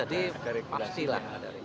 jadi pasti lah